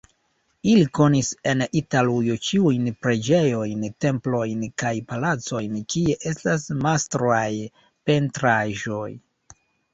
Ili konis en Italujo ĉiujn preĝejojn, templojn kaj palacojn, kie estas majstraj pentraĵoj.